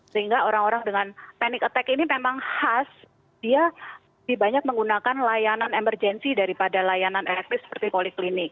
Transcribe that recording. sehingga orang orang dengan panic attack ini memang khas dia dibanyak menggunakan layanan emergency daripada layanan elektris seperti poliklinik